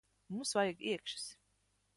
Mums vajag iekšas.